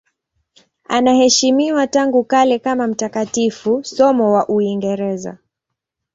Anaheshimiwa tangu kale kama mtakatifu, somo wa Uingereza.